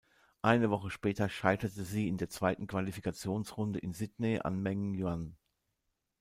Eine Woche später scheiterte sie in der zweiten Qualifikationsrunde in Sydney an Meng Yuan.